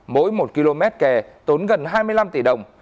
mỗi một km kè tốn gần hai mươi năm tỷ đồng